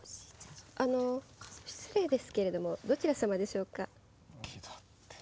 あの失礼ですけれどもどちら様でしょうか？